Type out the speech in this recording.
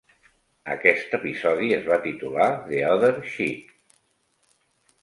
Aquest episodi es va titular "The Other Cheek".